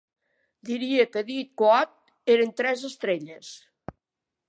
Diria que "Dead Wood" eren tres estrelles